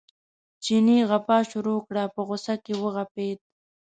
چیني غپا شروع کړه په غوسه کې وغپېد.